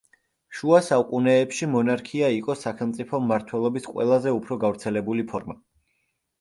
შუა საუკუნეებში მონარქია იყო სახელმწიფო მმართველობის ყველაზე უფრო გავრცელებული ფორმა.